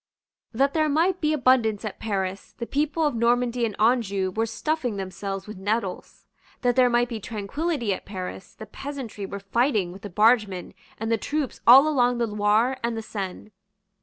That there might be abundance at Paris, the people of Normandy and Anjou were stuffing themselves with nettles. That there might be tranquillity at Paris, the peasantry were fighting with the bargemen and the troops all along the Loire and the Seine.